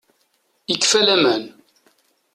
Ikfa Laman.